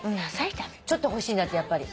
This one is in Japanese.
ちょっと欲しいんだって。